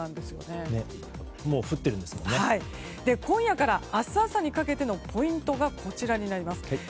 今夜から明日朝にかけてのポイントがこちらになります。